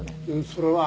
それは。